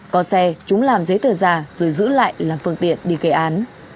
có xe chúng làm giấy tờ ra rồi giữ lại làm phương tiện đi kể án